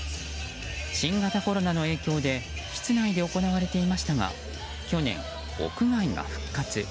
新型コロナの影響で室内で行われていましたが去年、屋外が復活。